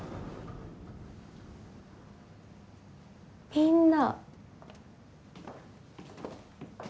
みんな。